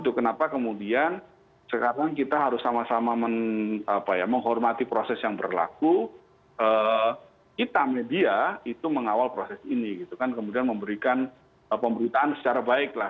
itu kenapa kemudian sekarang kita harus sama sama menghormati proses yang berlaku kita media itu mengawal proses ini gitu kan kemudian memberikan pemberitaan secara baik lah